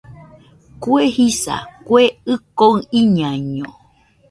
Kue jisa, Kue ɨko iñaiño